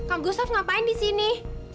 kang gustaf ngapain di sini